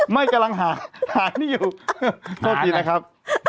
ไม่กำลังหันี้อยู่โทษทีนะครับ